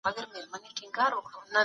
دا مېوه یو رکم خوند لري.